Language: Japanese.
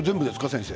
先生。